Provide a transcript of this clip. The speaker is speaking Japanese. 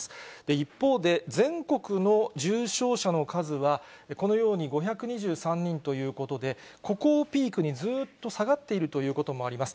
一方で、全国の重症者の数は、このように５２３人ということで、ここをピークに、ずっと下がっているということもあります。